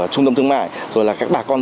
trung tâm thương mại rồi là các bà con